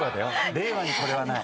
令和にこれはない。